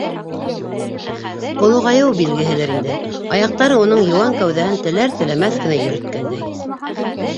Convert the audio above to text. Олоғайыу билгеһелер инде, аяҡтары уның йыуан кәүҙәһен теләр-теләмәҫ кенә йөрөткәндәй.